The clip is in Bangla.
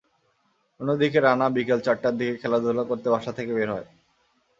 অন্যদিকে রানা বিকেল চারটার দিকে খেলাধুলা করতে বাসা থেকে বের হয়।